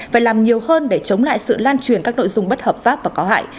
phải làm nhiều hơn để chống lại sự lan truyền các nội dung bất hợp pháp và có hại